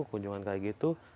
kunjungan kayak gitu